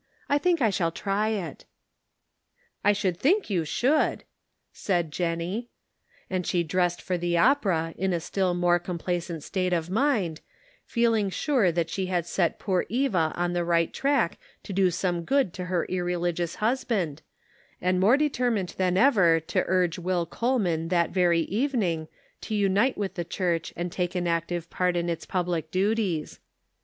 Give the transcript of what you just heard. I think I shall try it." " I should think you would," said Jennie. And she dressed for the opera in a still more complacent state of mind, feeling sure that she had set poor Eva on the right track to do some good to her irreligious husband, and more determined than ever to urge Will Coleman that very evening to unite with the church and take an active part in its public duties.